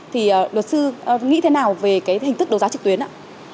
thì luật sư nghĩ thế nào về cái hình thức đấu giá trực tuyến ạ